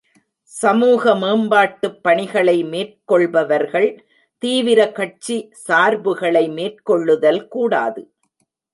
சமூக மேம்பாட்டுப் பணிகளை மேற்கொள்பவர்கள் தீவிர கட்சி சார்புகளை மேற்கொள்ளுதல் கூடாது.